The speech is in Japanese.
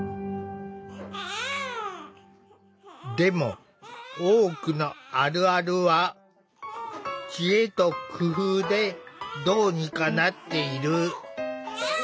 でも多くのあるあるは知恵と工夫でどうにかなっている。